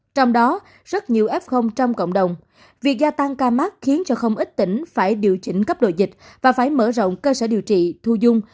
trong đó rất nhiều f trong cộng đồng việc gia tăng ca mắc khiến cho không ít tỉnh phải điều chỉnh cấp độ dịch và phải mở rộng cơ sở điều trị thu dung